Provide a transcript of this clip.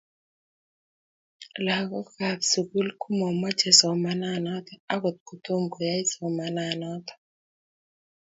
lagookab sugul komamache somananato agot kotomo koyae somananatok